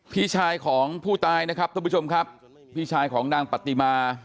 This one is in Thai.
พี่ชายของผู้ตายนะครับท่านผู้ชมครับพี่ชายของนางปฏิมา